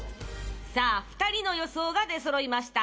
さあ２人の予想が出そろいました。